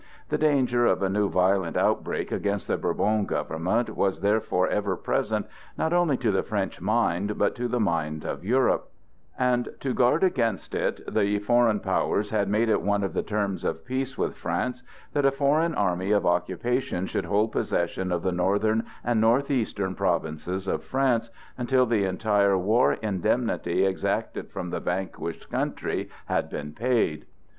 The danger of a new violent outbreak against the Bourbon government was therefore ever present not only to the French mind, but to the mind of Europe, and to guard against it the foreign powers had made it one of the terms of peace with France that a foreign army of occupation should hold possession of the northern and northeastern provinces of France until the entire war indemnity exacted from the vanquished country had been paid.